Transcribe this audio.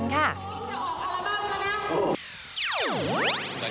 จะออกอัลบั้มแล้วนะ